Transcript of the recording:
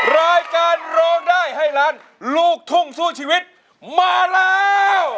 รายการร้องได้ให้ล้านลูกทุ่งสู้ชีวิตมาแล้ว